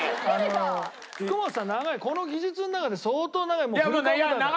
福元さん長いこの技術の中で相当長いもう古株だから。